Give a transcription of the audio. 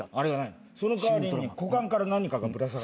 その代わりに股間から何かがぶら下がる。